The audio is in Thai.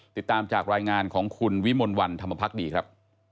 ติดตามจากรายงานของคุณวิมลวันธรรมพักดีครับ